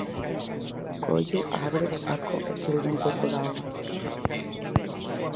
Collo, abro, saco, e tírolle un pouco de auga.